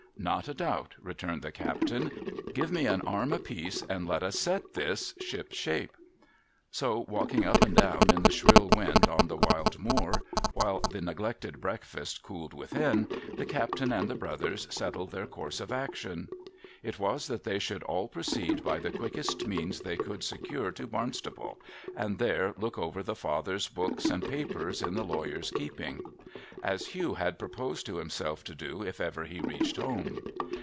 ' Not a doubt,' returned the captain. ' Give me an arm apiece, and let us set this ship shape.' So walking up and down in the shrill wind on the wild moor, while the neglected breakfast cooled within, the captain and the brothers settled their course of action. It was that they should all proceed by the quickest means they could secure to Barnstaple, and there look over the father's books and papers in the lawyer's keeping ; as Hugh had proposed to himself to do if ever he reached home.